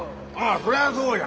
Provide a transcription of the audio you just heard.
そりゃそうや。